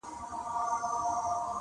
په هغه دم له بازاره وې راغلي -